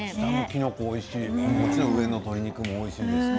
きのこ、おいしいもちろん上の鶏肉もおいしいです。